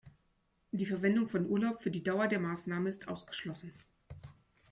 Die Verwendung von Urlaub für die Dauer der Maßnahme ist ausgeschlossen.